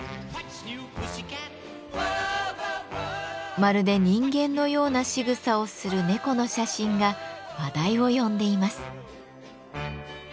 まるで人間のようなしぐさをする猫の写真が話題を呼んでいます。